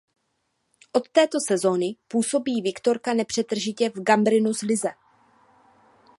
Od této sezony působí Viktorka nepřetržitě v Gambrinus lize.